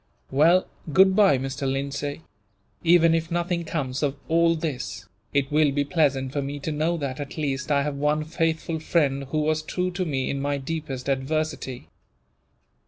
"Well, goodbye, Mr. Lindsay! Even if nothing comes of all this, it will be pleasant for me to know that, at least, I have one faithful friend who was true to me, in my deepest adversity."